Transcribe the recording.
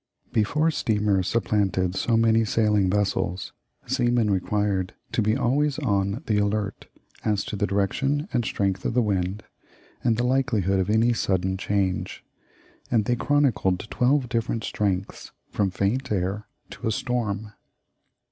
Before steamers supplanted so many sailing vessels, seamen required to be always on the alert as to the direction and strength of the wind, and the likelihood of any sudden change; and they chronicled twelve different strengths from "faint air" to a "storm."